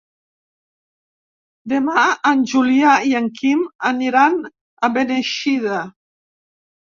Demà en Julià i en Quim aniran a Beneixida.